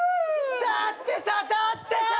だってさだってさ！